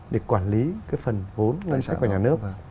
để quản lý cái phần vốn ngân sách của nhà nước